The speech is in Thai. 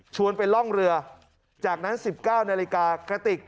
ไปร่องเรือจากนั้น๑๙นาฬิกากระติก